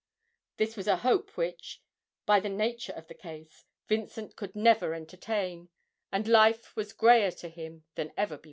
This was a hope which, by the nature of the case, Vincent could never entertain, and life was greyer to him even than before.